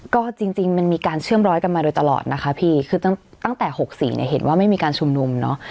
ก็จริงมันมีการเชื่อมร้อยกันมาโดยตลอดนะคะพี่คือตั้งแต่๖๔เนี่ยเห็นว่าไม่มีการชุมนุมเนอะ